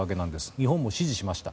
日本も支持しました。